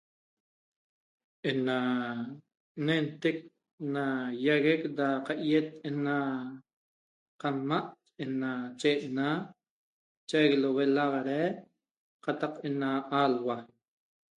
Ena nentec na iaguec da qaiet ena qanma' ena cheena, chaic lue laxarai qataq ena alhua